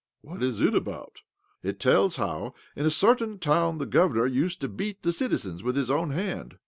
"What is it about?" "It tells how, in a certain town, the governor used to beat the citizens with his own hand."